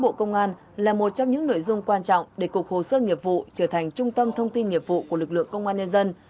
xây dựng trung tâm dữ liệu lớn bộ công an là một trong những nội dung quan trọng để cục hồ sơ nghiệp vụ trở thành trung tâm thông tin nghiệp vụ của lực lượng công an nhân dân